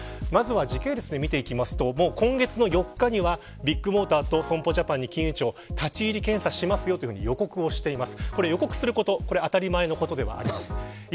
時系列で見ていくと今月の４日にはビッグモーターと損保ジャパンに金融庁、立ち入り検査しますよという報告をしてます。